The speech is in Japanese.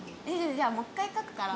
じゃあもう一回書くから。